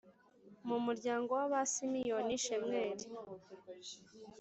mu muryango w abasimeyoni shemweli